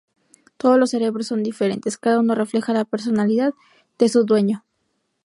Todos los cerebros son diferentes, cada uno refleja la personalidad de su dueño.